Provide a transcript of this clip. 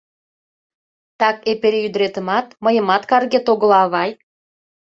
— Так эпере ӱдыретымат, мыйымат каргет огыла, авай.